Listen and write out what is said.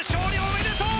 おめでとう！